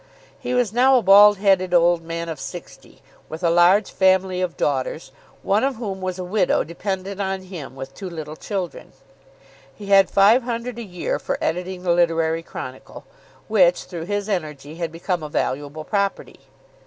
He was now a bald headed old man of sixty, with a large family of daughters, one of whom was a widow dependent on him with two little children. He had five hundred a year for editing the "Literary Chronicle," which, through his energy, had become a valuable property.